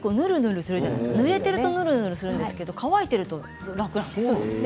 ぬれているとヌルヌルするんですけど乾いていると楽なんですよね。